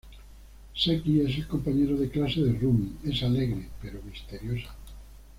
Seki, es el compañero de clase de Rumi, es alegre, pero misterioso.